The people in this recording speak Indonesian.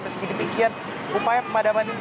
meski demikian upaya pemadaman ini masih terlalu tinggi